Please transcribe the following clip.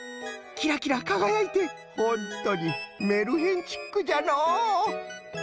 キラキラかがやいてホントにメルヘンチックじゃのう！